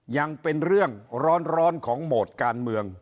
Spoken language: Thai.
ยังเป็นเรื่องร้อนของโหมดการเมือง